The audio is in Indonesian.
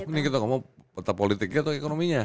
ini kita ngomong peta politiknya atau ekonominya